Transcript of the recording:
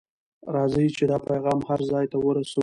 راځئ چې دا پیغام هر ځای ته ورسوو.